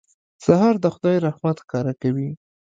سهار د خدای رحمت ښکاره کوي.